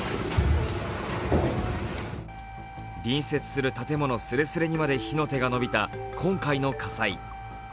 隣接する建物すれすれまで火の手が伸びた今回の火災。